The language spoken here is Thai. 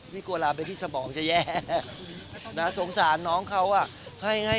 นี่กลัวลาไปที่สมองจะแย่นะสงสารน้องเขาอ่ะ